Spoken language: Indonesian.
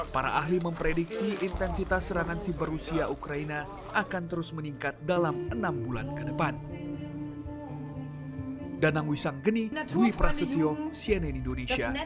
para ahli memprediksi intensitas serangan siber rusia ukraina akan terus meningkat dalam enam bulan ke depan